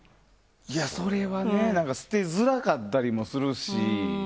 いや、それはね捨てづらかったりもするし。